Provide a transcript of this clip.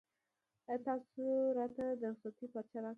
ایا تاسو راته د رخصتۍ پارچه راکوئ؟